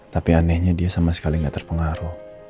tapi anehnya dia sama sekali nggak terpengaruh